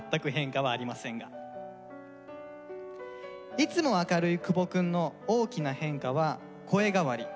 いつも明るい久保くんの大きな変化は声変わり。